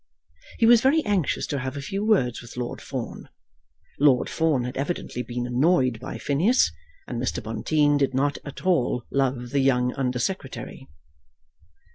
He was very anxious to have a few words with Lord Fawn. Lord Fawn had evidently been annoyed by Phineas, and Mr. Bonteen did not at all love the young Under Secretary.